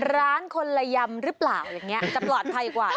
คนละยำหรือเปล่าอย่างนี้จะปลอดภัยกว่า